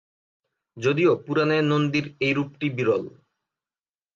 যদিও পুরাণে নন্দীর এই রূপটি বিরল।